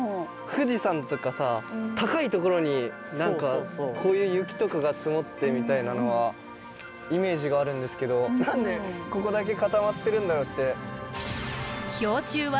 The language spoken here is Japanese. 富士山とかさ高いところにこういう雪とかが積もってみたいなのはイメージがあるんですけど何でここだけ固まってるんだろうって。